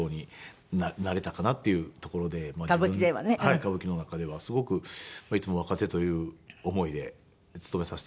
歌舞伎の中ではすごくいつも若手という思いで勤めさせて頂いているんですけど。